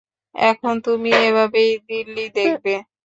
এখন তুমি এভাবেই দিল্লি দেখবে।